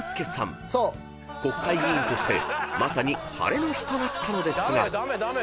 ［国会議員としてまさに晴れの日となったのですが］